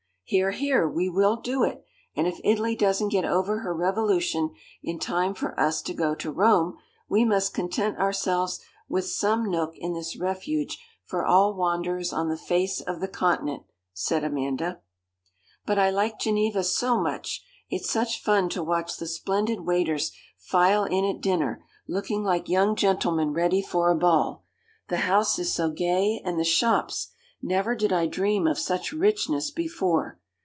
'Hear, hear! we will do it, and if Italy doesn't get over her revolution in time for us to go to Rome, we must content ourselves with some nook in this refuge for all wanderers on the face of the continent,' said Amanda. 'But I like Geneva so much. It's such fun to watch the splendid waiters file in at dinner, looking like young gentlemen ready for a ball; the house is so gay, and the shops! never did I dream of such richness before.